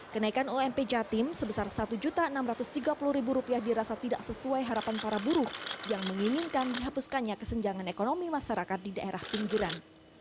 kenaikan ump jatim sebesar rp satu enam ratus tiga puluh dirasa tidak sesuai harapan para buruh yang menginginkan dihapuskannya kesenjangan ekonomi masyarakat di daerah pinggiran